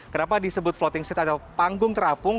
kenapa disebut floating seat atau panggung terapung